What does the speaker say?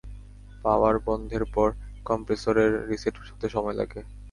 পাওয়ার বন্ধের পর কম্প্রেসরের রিসেট হতে সময় লাগে।